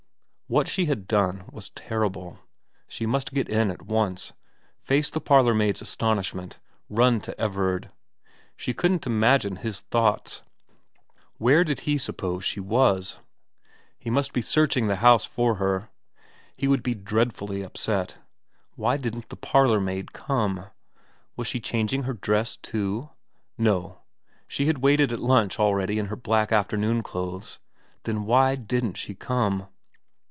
What she had done was terrible. She must get in at once, face the parlourmaid's astonishment, run to Everard. She couldn't imagine his thoughts. Where did he suppose she was ? He must be searching the house for her. He would be dreadfully upset. Why didn't the parlourmaid come ? Was she changing her dress too ? No she had waited at lunch all ready in her black afternoon clothes. Then why didn't she come